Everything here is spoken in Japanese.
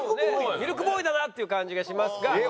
ミルクボーイだなっていう感じがしますが。